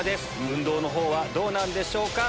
運動のほうはどうなんでしょうか？